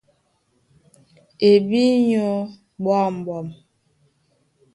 E bí nyɔ̀í ɓwǎmɓwam.